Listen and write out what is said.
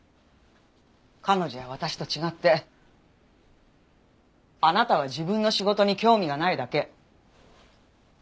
彼女や私と違ってあなたは自分の仕事に興味がないだけ。